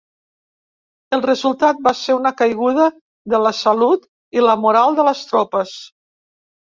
El resultat va ser una caiguda de la salut i la moral de les tropes.